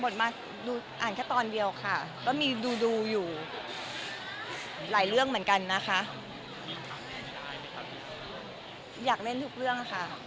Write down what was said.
จริงตอนนี้มีบทละครเลือกเยอะไหมครับยัง